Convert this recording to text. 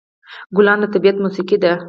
ګلان د طبیعت موسيقي ده.